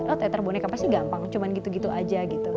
oh teter boneka pasti gampang cuma gitu gitu aja